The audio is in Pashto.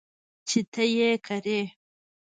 چې ته یې کرې .